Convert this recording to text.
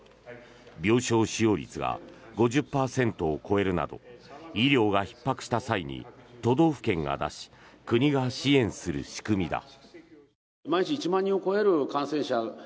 病床使用率が５０％を超えるなど医療がひっ迫した際に都道府県が出し国が支援する仕組みだ。